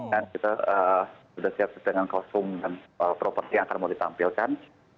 dan kita sudah siap siap dengan kostum dan properti yang akan mau ditampilkan